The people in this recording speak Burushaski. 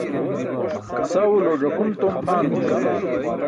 Sawulo ẓakun tom pʰaanum juwan.